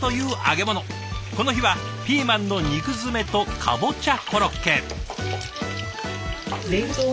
この日はピーマンの肉詰めとかぼちゃコロッケ。